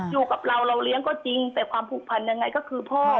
อยู่กับเราเราเลี้ยงก็จริงแต่ความผูกพันยังไงก็คือพ่อ